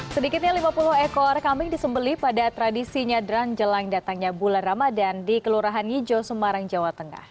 sedikitnya lima puluh ekor kambing disembeli pada tradisi nyadran jelang datangnya bulan ramadan di kelurahan ngijo semarang jawa tengah